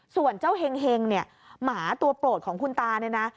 ส่วนเจ้าเห็งเนี่ยหมาตัวโปรดของคุณตาเนี่ยนะ